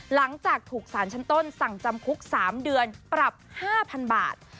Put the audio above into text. หลังจากถูกสารชั้นต้นสั่งจำคุก๓เดือนปรับ๕๐๐๐บาท